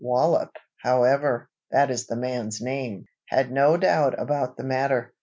Wallop, however, (that is the man's name,) had no doubt about the matter.